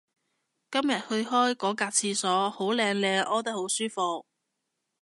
今日去開嗰格廁所好靚靚屙得好舒服